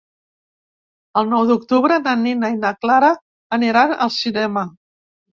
El nou d'octubre na Nina i na Clara aniran al cinema.